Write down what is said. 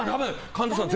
神田さん